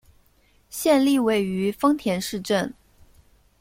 县莅位于丰田市镇。